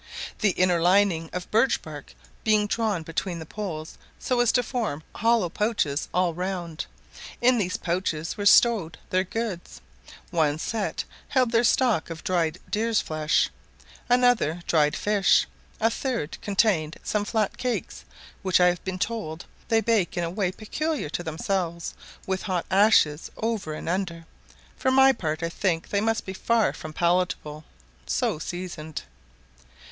the inner lining of birch bark being drawn between the poles so as to form hollow pouches all round; in these pouches were stowed their goods; one set held their stock of dried deer's flesh, another dried fish, a third contained some flat cakes, which I have been told they bake in a way peculiar to themselves, with hot ashes over and under; for my part I think they must be far from palatable so seasoned.